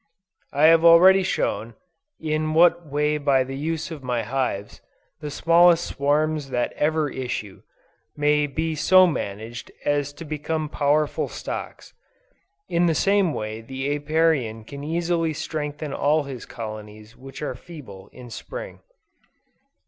I have already shown, in what way by the use of my hives, the smallest swarms that ever issue, may be so managed as to become powerful stocks. In the same way the Apiarian can easily strengthen all his colonies which are feeble in Spring.